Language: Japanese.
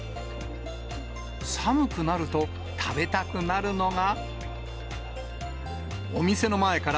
寒くなると、食べたくなるのが。